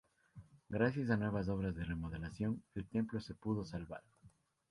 Gracias a nuevas obras de remodelación, el templo se pudo salvar.